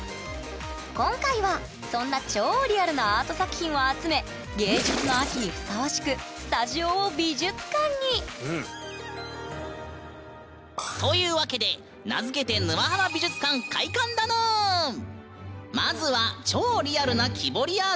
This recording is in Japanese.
今回はそんな超リアルなアート作品を集め芸術の秋にふさわしくスタジオを美術館に！というわけで名付けてまずは超リアルな木彫りアートからご覧あれ！